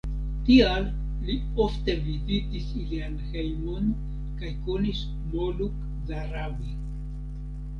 Tial li ofte vizitis ilian hejmon kaj konis Moluk Zarabi.